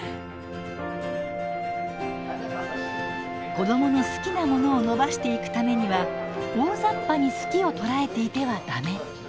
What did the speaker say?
子どもの好きなものを伸ばしていくためには大ざっぱに「好き」を捉えていては駄目。